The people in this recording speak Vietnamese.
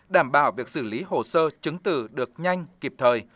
đảm bảo việc xử lý hồ sơ chứng tử được nhanh kịp thời